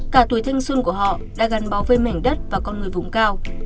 cả tuổi thanh xuân của họ đã gắn bó với mảnh đất và con người vùng cao